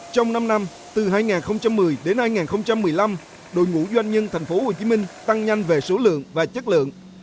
trong năm năm từ hai nghìn một mươi đến hai nghìn một mươi năm đội ngũ doanh nhân tp hcm tăng nhanh về số lượng và chất lượng